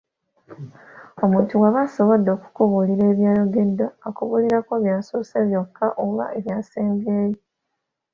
Omuntu bw'aba asobodde okukubuulira ebyogeddwa akubuulirako by'asoose byokka oba ebayasembyeyo!